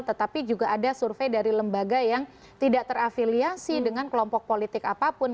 tetapi juga ada survei dari lembaga yang tidak terafiliasi dengan kelompok politik apapun